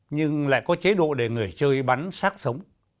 nhưng lại có chế độ để người chơi bắn sát sống